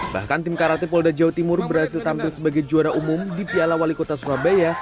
bahkan tim karate polda jawa timur berhasil tampil sebagai juara umum di piala wali kota surabaya